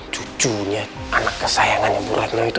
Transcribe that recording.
cucunya anak kesayangannya bu red nau itu